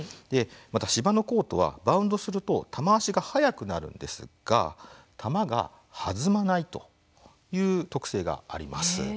また芝のコートはバウンドすると球足が速くなるんですが球が弾まないという特性があります。